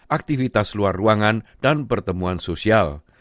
aktivitas luar ruangan dan pertemuan sosial